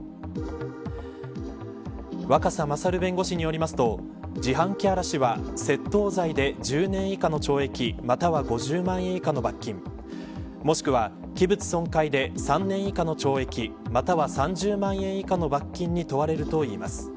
若狭勝弁護士によりますと自販機荒らしは窃盗罪で１０年以下の懲役または５０万円以下の罰金もしくは器物損壊で３年以下の懲役または３０万円以下の罰金に問われるといいます。